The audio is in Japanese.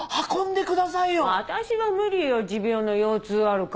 私は無理よ持病の腰痛あるから。